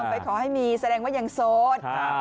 ไปขอให้มีแสดงว่ายังโสด